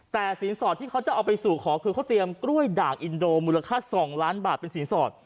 แต่สินสอดที่เขาจะเอาไปสู่ขอคือเขาเตรียมกล้วยด่างอินโดมูลค่า๒ล้านบาทเป็นสินสอด